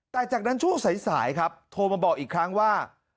แต่จากนั้นช่วงสายครับโทรมาบอกอีกครั้งว่า